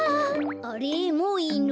あれっもういいの？